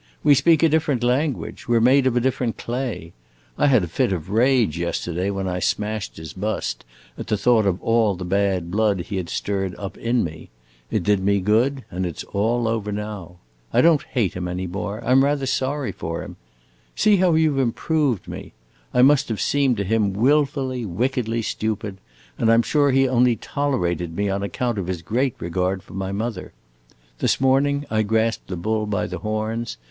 We speak a different language we 're made of a different clay. I had a fit of rage yesterday when I smashed his bust, at the thought of all the bad blood he had stirred up in me; it did me good, and it 's all over now. I don't hate him any more; I 'm rather sorry for him. See how you 've improved me! I must have seemed to him wilfully, wickedly stupid, and I 'm sure he only tolerated me on account of his great regard for my mother. This morning I grasped the bull by the horns.